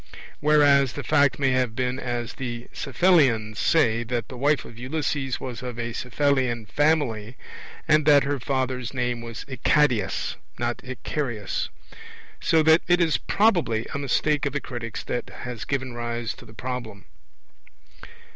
Whereas the fact may have been as the Cephallenians say, that the wife of Ulysses was of a Cephallenian family, and that her father's name was Icadius, not Icarius. So that it is probably a mistake of the critics that has given rise to the Problem.